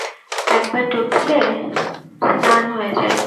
একবার ডুব দিলে, স্নান হয়ে যায়।